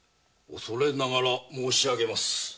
恐れながら申し上げます。